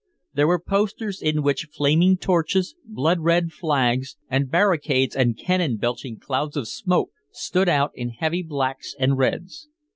There were posters in which flaming torches, blood red flags and barricades and cannon belching clouds of smoke stood out in heavy blacks and reds.